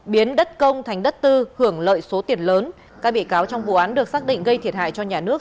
biến đất công thành đất tư hưởng lợi số tiền lớn các bị cáo trong vụ án được xác định gây thiệt hại cho nhà nước